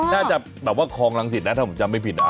น่าจะคองรังสิทธิ์นะถ้าผมจำไม่ผิด